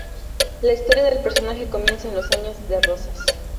La historia del personaje comienza en los años de Rosas.